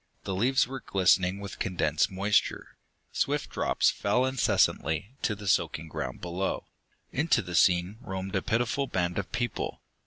The leaves were glistening with condensed moisture; swift drops fell incessantly to the soaking ground below. Into the scene roamed a pitiful band of people.